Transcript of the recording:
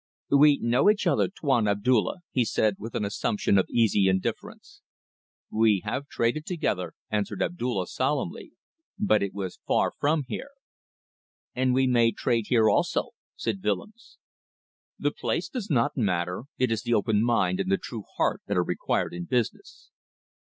"We know each other, Tuan Abdulla," he said, with an assumption of easy indifference. "We have traded together," answered Abdulla, solemnly, "but it was far from here." "And we may trade here also," said Willems. "The place does not matter. It is the open mind and the true heart that are required in business."